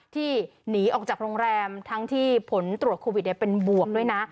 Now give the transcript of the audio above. ที่หนีออกจากโรงแรมทั้งที่ผลตรวจโควิดเป็นบวกด้วยนะ